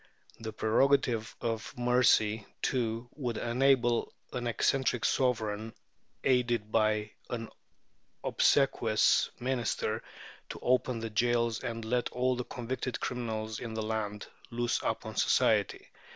The prerogative of mercy, too, would enable an eccentric Sovereign, aided by an obsequious Minister, to open the jails and let all the convicted criminals in the land loose upon society.